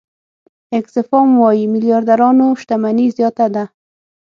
آکسفام وايي میلیاردرانو شتمني زیاته ده.